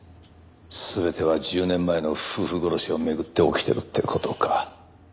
全ては１０年前の夫婦殺しを巡って起きてるって事か。